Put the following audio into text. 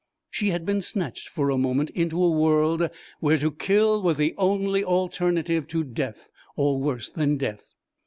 She had been snatched for a moment into a world where to kill was the only alternative to death or worse than death.